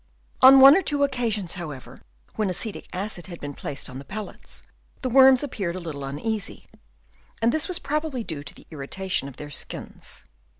On one or two occasions, however, when acetic acid had been placed on the pellets, the worms appeared a little uneasy, and this was probably due to the irritation of their skins.